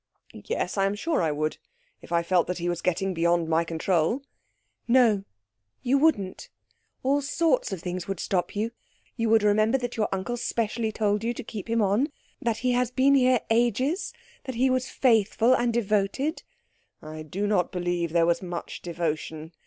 "Yes, I am sure I would, if I felt that he was getting beyond my control." "No, you wouldn't. All sorts of things would stop you. You would remember that your uncle specially told you to keep him on, that he has been here ages, that he was faithful and devoted " "I do not believe there was much devotion."